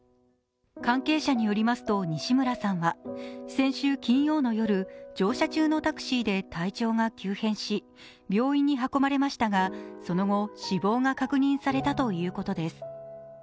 関係者によりますと西村さんは先週金曜の夜、乗車中のタクシーで体調が急変し、病院に運ばれましたが、その後、死亡が確認されたということです。